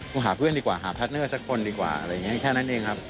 หาเพื่อนดีกว่าหาพาร์ทเนอร์สักคนดีกว่าอะไรอย่างนี้แค่นั้นเองครับ